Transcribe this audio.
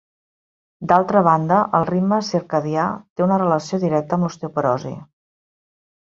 D'altra banda, el ritme circadià té una relació directa amb l'osteoporosi.